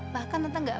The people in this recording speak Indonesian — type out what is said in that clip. bahkan tante gak pernah